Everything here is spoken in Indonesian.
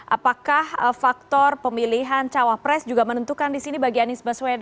apakah faktor pemilihan cawapres menentukan juga bagi anis baswedan